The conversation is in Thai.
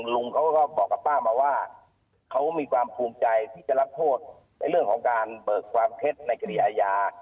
ลุงเขาก็บอกกับป้ามาว่าเขามีความภูมิใจที่จะรับโทษในเรื่องของการเบิกความเท็จในคดีอาญา